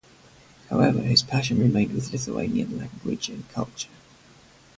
However, his passion remained with Lithuanian language and culture.